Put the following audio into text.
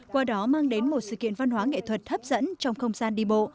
qua đó mang đến một sự kiện văn hóa nghệ thuật hấp dẫn trong không gian đi bộ